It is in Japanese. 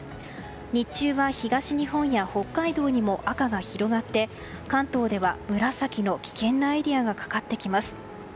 日中は、東日本や北海道にも赤が広がって関東では、紫の危険なエリアがかかってきます。